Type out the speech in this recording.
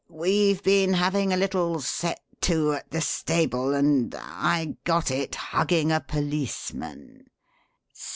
We've been having a little 'set to' at the stable, and I got it hugging a policeman."